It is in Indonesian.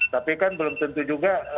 tapi kan belum tentu juga